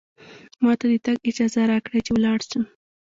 ما ته د تګ اجازه راکړئ، چې ولاړ شم.